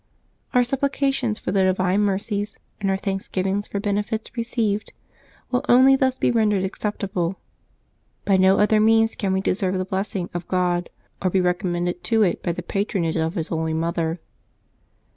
Our sup plications for the divine mercies, and our thanksgivings for benefits received, will only thus be rendered acceptable. By no other means can we deserve the blessing of God, or be recommended to it by the patronage of His holy mother.